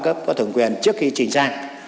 cấp có thẩm quyền trước khi trình sang